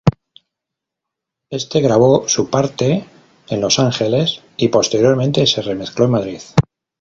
Éste grabó su parte en Los Ángeles y posteriormente se remezcló en Madrid.